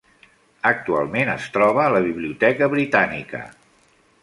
Actualment es troba a la Biblioteca Britànica.